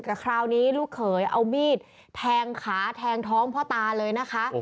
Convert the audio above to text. แต่คราวนี้ลูกเขยเอามีดแทงขาแทงท้องพ่อตาเลยนะคะ